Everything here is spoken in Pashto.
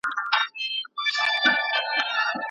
پر مزار د شالمار دي انارګل درته لیکمه